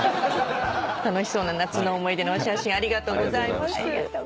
楽しそうな夏の思い出のお写真ありがとうございます。